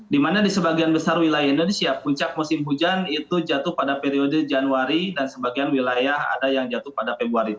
dimana di sebagian besar wilayah indonesia puncak musim hujan itu jatuh pada periode januari dan sebagian wilayah ada yang jatuh pada februari